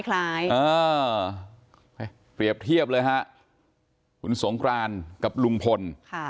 เปรียบเทียบเลยฮะคุณสงครานกับลุงพล